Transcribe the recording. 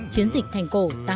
chiến dịch thành cổ tám mươi một